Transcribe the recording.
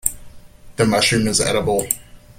The mushroom is edible.